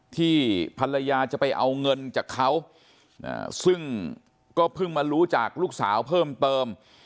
ที่ภรรยาจะไปเอาเงินจากเขาซึ่งก็เพิ่งมารู้จากลูกสาวเพิ่มเติม